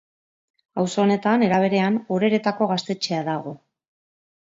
Auzo honetan, era berean, Oreretako gaztetxea dago.